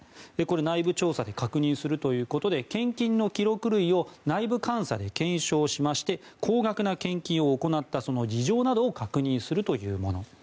内部調査で確認するということで献金の記録類を内部監査で検証しまして高額な献金を行ったその事情などを確認するというもの。